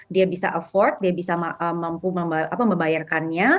dia bisa affort dia bisa mampu membayarkannya